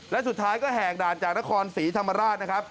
และสุดท้ายก็แหกด่านจากนครศรีธรรมราชนะครับ